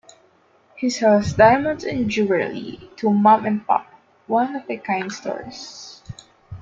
He sells diamonds and jewelry to 'Mom and Pop' one of a kind stores.